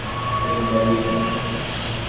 তুমিই বল শুনি।